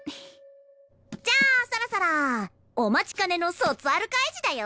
じゃあそろそろお待ちかねの卒アル開示だよ！